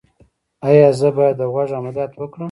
ایا زه باید د غوږ عملیات وکړم؟